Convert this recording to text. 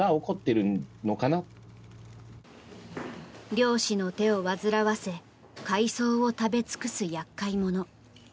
漁師の手を煩わせ海藻を食べ尽くす厄介者。